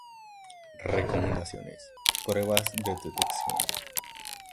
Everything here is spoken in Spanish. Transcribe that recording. Recomendaciones: Pruebas de Detección